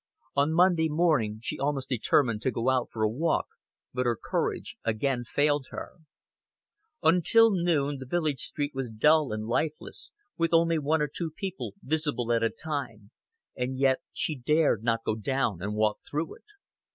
On Monday morning she almost determined to go out for a walk but her courage again failed her. Until noon the village street was dull and lifeless, with only one or two people visible at a time, and yet she dared not go down and walk through it.